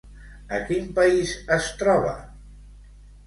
A quin país es troba?